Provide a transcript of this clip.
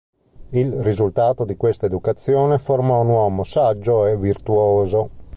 Il risultato di questa educazione formò un uomo saggio e virtuoso.